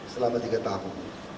selama tiga tahun